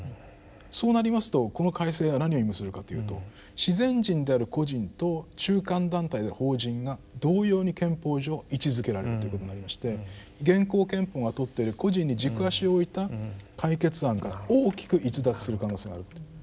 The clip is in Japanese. そうなりますとこの改正は何を意味するかというと自然人である個人と中間団体である法人が同様に憲法上位置づけられるということになりまして現行憲法がとってる個人に軸足を置いた解決案から大きく逸脱する可能性があるということですね。